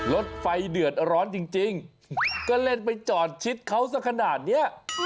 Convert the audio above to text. รถไฟเดือดร้อนจริงก็เล่นไปจอดชิดเขาสักขนาดนี้